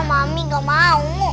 mami gak mau